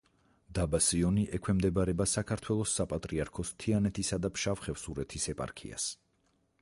დაბა სიონი ექვემდებარება საქართველოს საპატრიარქოს თიანეთისა და ფშავ-ხევსურეთის ეპარქიას.